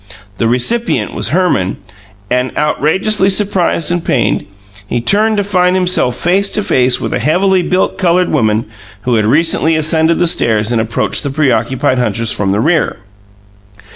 The recipient was Herman, and, outrageously surprised and pained, he turned to find himself face to face with a heavily built coloured woman who had recently ascended the stairs and approached the preoccupied hunters from the rear.